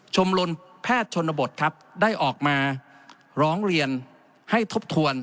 ลนแพทย์ชนบทครับได้ออกมาร้องเรียนให้ทบทวน